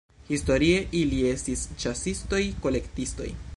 Historie ili estis ĉasistoj-kolektistoj.